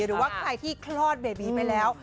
หรือว่าใครที่คลอดเบบีไปแล้ว